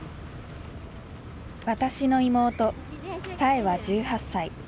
私の妹彩英は１８歳。